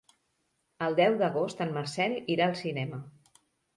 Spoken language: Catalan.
El deu d'agost en Marcel irà al cinema.